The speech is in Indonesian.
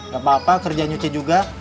gapapa kerja nyuci juga